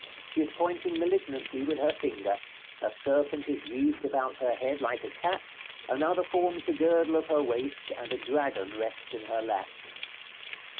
She is pointing malignantly with her finger; a serpent is wreathed about her head like a cap, another forms the girdle of her waist, and a dragon rests in her lap.